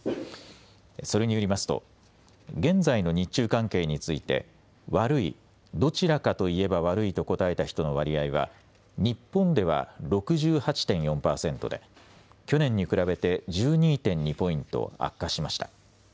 それによりますと現在の日中関係について悪い、どちらかといえば悪いと答えた人の割合は日本では６８．４％で去年に比べて１２．２ポイント悪化しました。